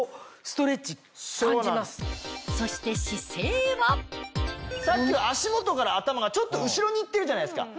そして姿勢はさっきは足元から頭がちょっと後ろに行ってるじゃないですか